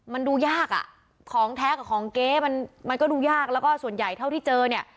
มันดูยากอ่ะของแท้กับของเก๊มันมันก็ดูยากแล้วก็ส่วนใหญ่เท่าที่เจอเนี่ย